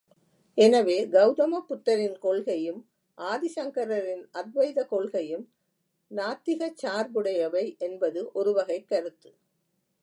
எனவே, கவுதமப் புத்தரின் கொள்கையும், ஆதிசங்கரரின் அத்வைதக் கொள்கையும் நாத்திகச் சார்புடையவை என்பது ஒருவகைக் கருத்து.